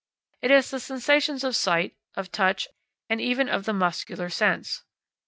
It is the sensations of sight, of touch, and even of the muscular sense.